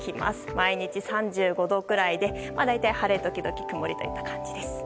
毎日３５度くらいで大体、晴れ時々曇りといった感じです。